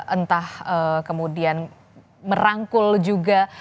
entah kemudian merangkul juga